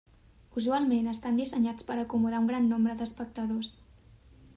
Usualment estan dissenyats per acomodar un gran nombre d'espectadors.